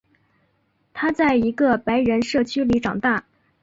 他在一个白人社区里长大。